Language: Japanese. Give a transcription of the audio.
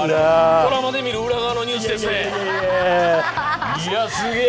ドラマで見る裏側のニュースですね、いや、すげぇ。